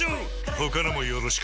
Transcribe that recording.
他のもよろしく